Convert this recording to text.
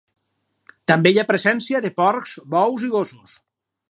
També hi ha presència de porcs, bous i gossos.